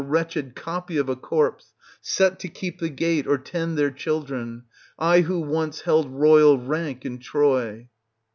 192 — 268 wretched copy of a corpse, set to keep the gate or tend their children, I who once held royal rank in Troy.